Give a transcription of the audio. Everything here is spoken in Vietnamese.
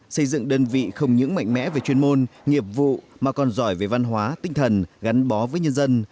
xây dựng đơn vị không những mạnh mẽ về chuyên môn nghiệp vụ mà còn giỏi về văn hóa tinh thần gắn bó với nhân dân